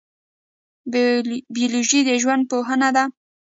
بیولوژي د ژوند پوهنه ده